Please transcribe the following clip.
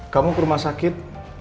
kamu ke rumah sakit